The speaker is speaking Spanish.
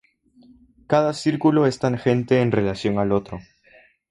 Cada círculo es tangente en relación al otro.